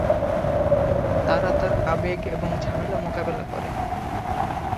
তারা তার আবেগ এবং ঝামেলা মোকাবেলা করে।